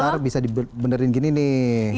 ntar bisa dibenerin gini nih